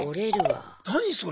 何それ。